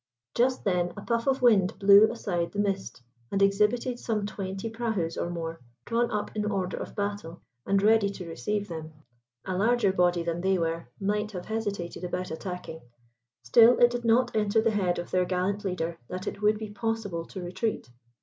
Just then a puff of wind blew aside the mist, and exhibited some twenty prahus or more drawn up in order of battle, and ready to receive them. A larger body than they were might have hesitated about attacking; still it did not enter the head of their gallant leader that it would be possible to retreat.